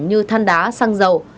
như than đá xăng dầu